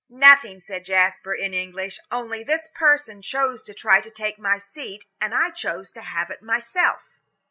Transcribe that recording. "Nothing," said Jasper, in English, "only this person chose to try to take my seat, and I chose to have it myself."